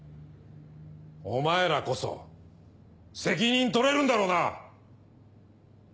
お前らこそ責任取れるんだろうな？